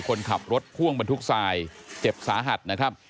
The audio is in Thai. คนขับรถพ่วงบรรทุกทรายเจ็บสาหัสนะครับ